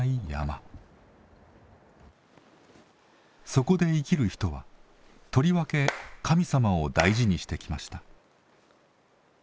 そこで生きる人はとりわけ神様を大事にしてきました。